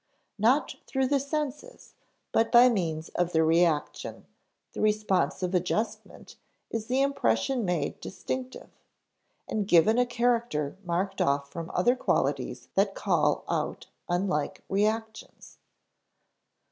Not through the senses, but by means of the reaction, the responsive adjustment, is the impression made distinctive, and given a character marked off from other qualities that call out unlike reactions.